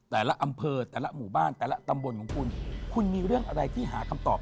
ของปู่หล่นนะฮะในค่ำคืนนี้นะครับ